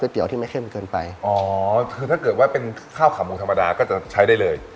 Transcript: เตี๋ยที่ไม่เข้มเกินไปอ๋อคือถ้าเกิดว่าเป็นข้าวขาหมูธรรมดาก็จะใช้ได้เลย